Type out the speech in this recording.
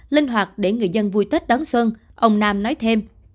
linh hoạt để người dân vui tết đón xuân ông nam nói thêm